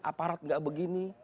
aparat nggak begini